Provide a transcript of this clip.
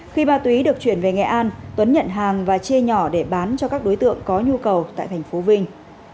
khi ma túy được chuyển về nghệ an tuấn nhận hàng và chê nhỏ để bán cho các đối tượng có nhu cầu tại tp vinh